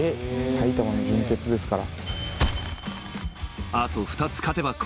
埼玉の準決ですから。